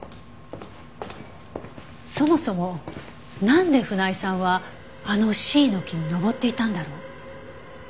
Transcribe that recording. そもそもなんで船井さんはあのシイの木に登っていたんだろう？